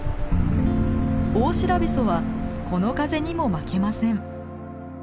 オオシラビソはこの風にも負けません。